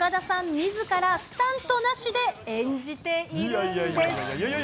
みずからスタントなしで演じているんです。